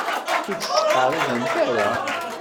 Ur d-ttqerribemt ara.